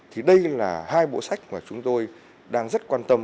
thì đây là hai bộ sách mà chúng tôi đang rất quan tâm